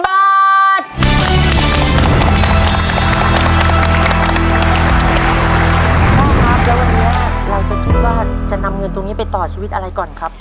พ่อครับแล้ววันนี้เราจะคิดว่าจะนำเงินตรงนี้ไปต่อชีวิตอะไรก่อนครับ